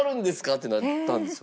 ってなったんですよ